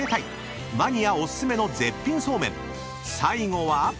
［最後は］